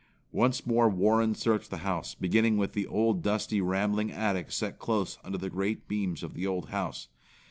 Once more Warren searched the house, beginning with the old dusty, rambling attic set close under the great beams of the old house.